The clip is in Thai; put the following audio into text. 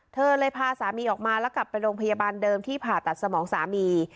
เธอเลยพาสามีออกมาแล้วกลับไปโรงพยาบาลเดิมที่ผ่าตัดสมองสามี